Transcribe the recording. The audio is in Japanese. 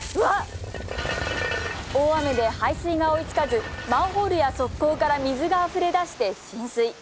大雨で排水が追いつかずマンホールや側溝から水があふれ出して、浸水。